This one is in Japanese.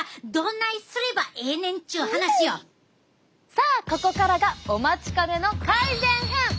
さあここからがお待ちかねの改善編！